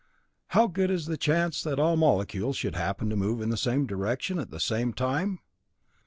How good is the chance that all the molecules should happen to move in the same direction at the same time?